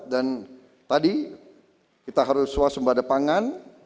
dan tadi kita harus suasembah depan